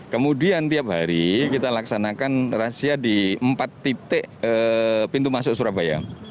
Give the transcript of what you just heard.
kemudian tiap hari kita laksanakan rahasia di empat titik pintu masuk surabaya